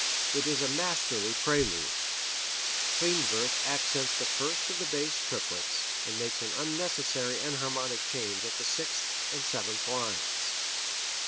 It is a masterly prelude. Klindworth accents the first of the bass triplets, and makes an unnecessary enharmonic change at the sixth and seventh lines.